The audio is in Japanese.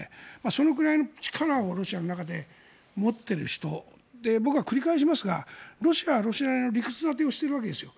そのくらいの力をロシアの中で持っている人で僕は、繰り返しますがロシアはロシアなりに理屈建てをしてるんですよ。